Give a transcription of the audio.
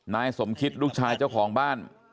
นายสมคิตลูกชายเจ้าของบ้าน